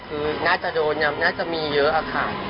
คือน่าจะโดนน่าจะมีเยอะค่ะ